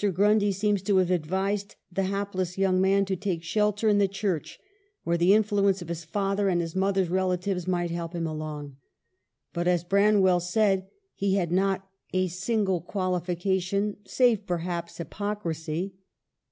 Gruncly seems to have advised the hapless young man to take shelter in the Church, where the influence of his father and his mother's relatives might help him along ; but, as Branwell said, he had not a single quali fication, " save, perhaps, hypocrisy."